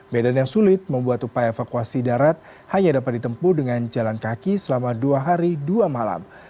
medan yang sulit membuat upaya evakuasi darat hanya dapat ditempuh dengan jalan kaki selama dua hari dua malam